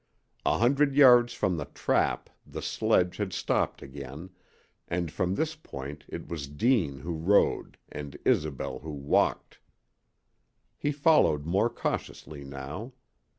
A hundred yards from the "trap" the sledge had stopped again, and from this point it was Deane who rode and Isobel who walked! He followed more cautiously now.